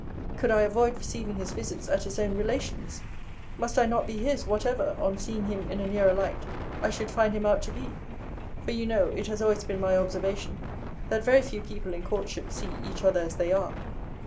Could I avoid receiving his visits at his own relations'? Must I not be his, whatever, (on seeing him in a nearer light,) I should find him out to be? For you know, it has always been my observation, that very few people in courtship see each other as they are.